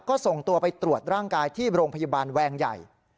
ก็ส่งตัวไปตรวจร่างกายที่โรงพยาบาลแวงใหญ่